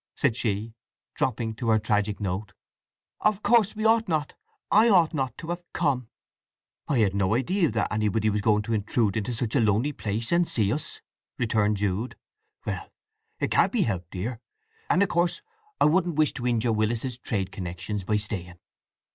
said she, dropping to her tragic note. "Of course we ought not—I ought not—to have come!" "I had no idea that anybody was going to intrude into such a lonely place and see us!" Jude returned. "Well, it can't be helped, dear; and of course I wouldn't wish to injure Willis's trade connection by staying."